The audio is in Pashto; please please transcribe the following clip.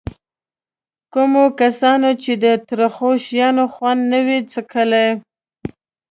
کومو کسانو چې د ترخو شیانو خوند نه وي څکلی.